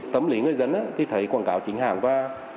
tâm lý người dân thì thấy quảng cáo chính hàng và